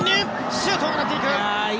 シュートを狙っていく。